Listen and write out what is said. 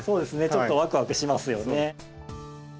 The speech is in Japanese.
ちょっとワクワクしますよね。